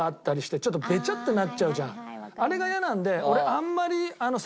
あれが嫌なので俺あんまり。